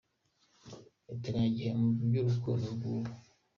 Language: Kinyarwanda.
Iteganyagihe mu by’urukundo rw’ubu